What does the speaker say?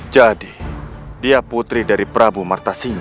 jadi dia putri dari prabu martasila